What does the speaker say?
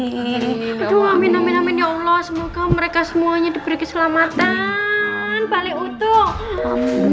aduh amin amin amin ya allah semoga mereka semuanya diberi keselamatan paling utuh